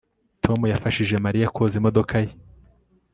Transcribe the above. Tom yafashije Mariya koza imodoka ye